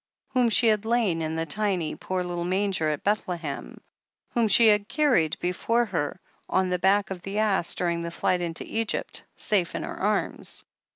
473 whom she had lain in the tiny, poor little manger at Bethlehem, whom she had carried before her on the back of the ass during the flight into Egypt, safe in her arms.